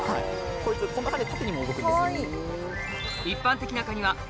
こいつこんな感じで縦にも動くんです。